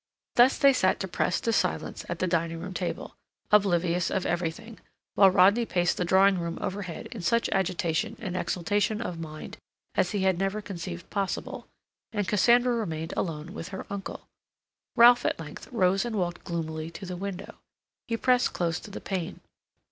Thus they sat depressed to silence at the dining room table, oblivious of everything, while Rodney paced the drawing room overhead in such agitation and exaltation of mind as he had never conceived possible, and Cassandra remained alone with her uncle. Ralph, at length, rose and walked gloomily to the window. He pressed close to the pane.